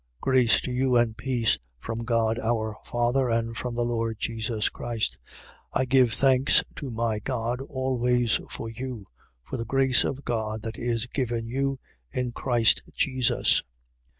1:3. Grace to you and peace, from God our father and from the Lord Jesus Christ. 1:4. I give thanks to my God always for you, for the grace of God that is given you in Christ Jesus: 1:5.